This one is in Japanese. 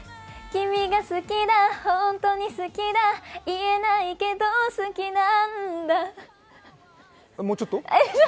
君が好きだ、本当に好きだ、言えないけど、本当に好きなんだ。